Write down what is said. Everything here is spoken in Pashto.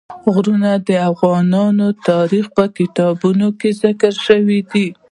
غرونه د افغان تاریخ په کتابونو کې ذکر شوی دي.